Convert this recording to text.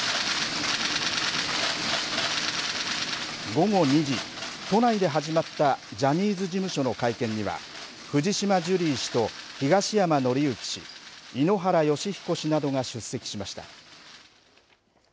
午後２時、都内で始まったジャニーズ事務所の会見には藤島ジュリー氏と東山紀之氏井ノ原快彦氏などが出席しました。